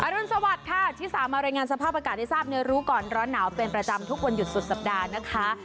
รุนสวัสดิ์ค่ะที่สามารถรายงานสภาพอากาศให้ทราบในรู้ก่อนร้อนหนาวเป็นประจำทุกวันหยุดสุดสัปดาห์นะคะ